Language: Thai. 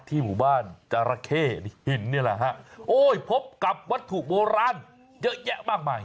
หมู่บ้านจราเข้หินนี่แหละฮะโอ้ยพบกับวัตถุโบราณเยอะแยะมากมาย